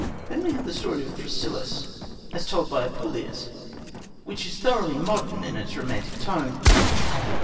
Then we have the story of Thrasyllus, as told by Apuleius, which is thoroughly modern in its romantic tone.